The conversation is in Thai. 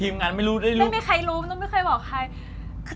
ไม่มีใครรู้ไม่เคยบอกใคร